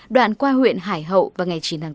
đoạn qua huyện hải hậu vào ngày chín tháng bốn